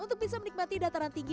untuk bisa menikmati dataran tinggi